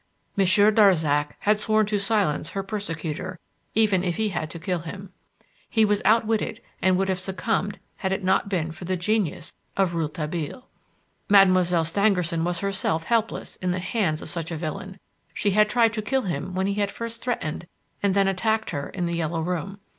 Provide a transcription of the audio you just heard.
Monsieur Darzac had sworn to silence her persecutor, even if he had to kill him. He was outwitted and would have succumbed had it not been for the genius of Rouletabille. Mademoiselle Stangerson was herself helpless in the hands of such a villain. She had tried to kill him when he had first threatened and then attacked her in "The Yellow Room".